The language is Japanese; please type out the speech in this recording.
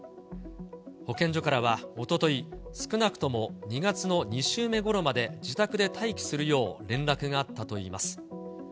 保健所からはおととい、少なくとも２月の２週目ごろまで自宅で待機するよう連絡があったといいます。